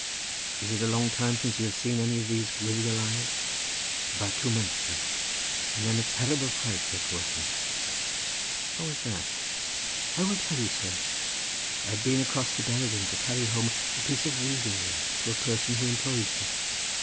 "Is it a long time since you have seen any of these Gwyddeliaid?" "About two months, sir, and then a terrible fright they caused me." "How was that?" "I will tell you, sir; I had been across the Berwyn to carry home a piece of weaving work to a person who employs me.